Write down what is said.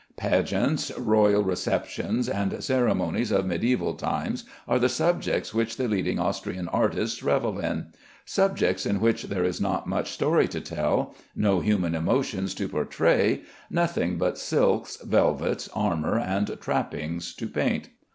Pageants, royal receptions, and ceremonies of mediæval times are the subjects which the leading Austrian artists revel in; subjects in which there is not much story to tell, no human emotions to portray, nothing but silks, velvets, armor, and trappings to paint.